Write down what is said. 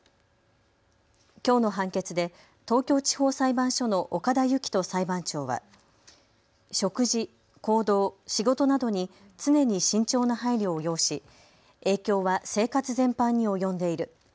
きょうの判決で東京地方裁判所の岡田幸人裁判長は食事、行動、仕事などに常に慎重な配慮を要し影響は生活全般に及んでいる。